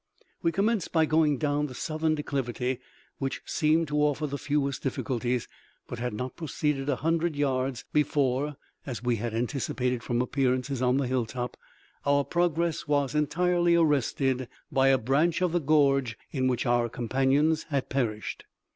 We commenced by going down the southern declivity, which seemed to offer the fewest difficulties, but had not proceeded a hundred yards before (as we had anticipated from appearances on the hilltop) our progress was entirely arrested by a branch of the gorge in which our companions had perished.